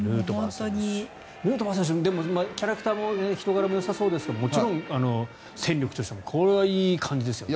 ヌートバー選手キャラクターも人柄もよさそうですけどもちろん戦力としてもこれはいい感じですよね。